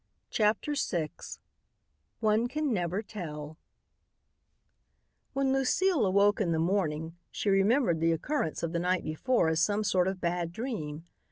CHAPTER VI "ONE CAN NEVER TELL" When Lucile awoke in the morning she remembered the occurrence of the night before as some sort of bad dream.